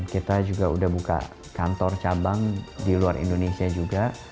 kita juga udah buka kantor cabang di luar indonesia juga